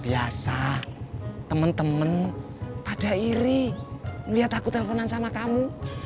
biasa temen temen pada iri melihat aku telponan sama kamu